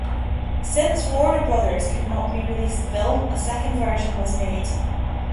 Since Warner Brothers could not re-release the film, a second version was made.